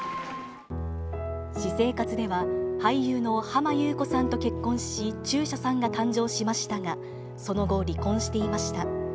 私生活では、俳優の浜木綿子さんと結婚し、中車さんが誕生しましたが、その後、離婚していました。